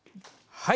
はい！